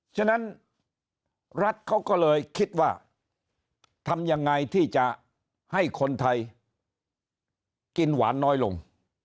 ฉะนั้นรัฐเขาก็เลยคิดว่าทำยังไงที่จะให้คนไทยกินหวานน้อยลง